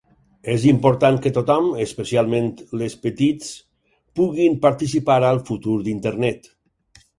És important que tothom, especialment les petits, puguin participar al futur d'Internet.